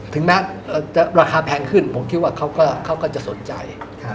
ถึงแม้ราคาแพงขึ้นผมคิดว่าเขาก็จะสนใจ